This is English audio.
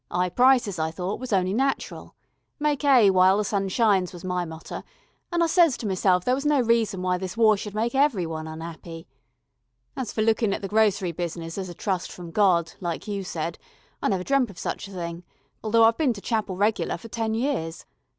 'Igh prices, I thought, was only natural. Make 'ay while the sun shines was my motter, and I says to meself there was no reason why this war should make everyone un'appy. As for lookin' at the grocery business as a trust from God, like you said, I never dremp of such a thing, although I've bin to Chapel regular for ten years.